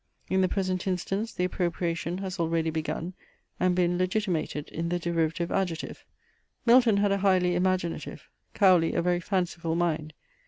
In the present instance the appropriation has already begun, and been legitimated in the derivative adjective: Milton had a highly imaginative, Cowley a very fanciful mind.